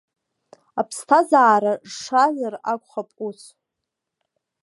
Аԥсҭазаара шазар акәхап ус.